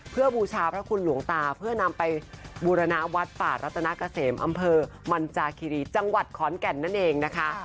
เพื่อบูชาพระคุณหลวงตาเพื่อนำไปบูรณวัดป่ารัตนาเกษมอำเภอมันจาคิรีจังหวัดขอนแก่นนั่นเองนะคะ